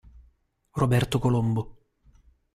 Roberto Colombo